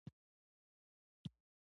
غوث الدين ورمخته شو.